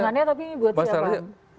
dukungannya tapi buat siapa